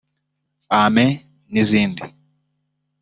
‘Ameen’ n’izindi